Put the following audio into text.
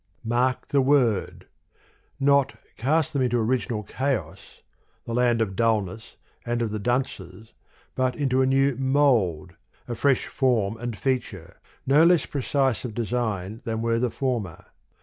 Mark the word : not, cast them into orig inal chaos, the land of Dullness and of the Dunces ; but into a new mould, a fresh form and feature, no less precise of design than were the former.